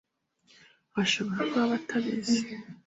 Bashobora kuba batabizi.